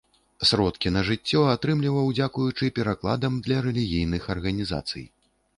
Сродкі на жыццё атрымліваў дзякуючы перакладам для рэлігійных арганізацый.